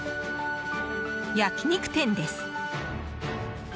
焼き肉店です。